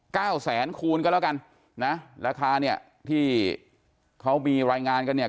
แสนคูณก็แล้วกันนะราคาเนี่ยที่เขามีรายงานกันเนี่ย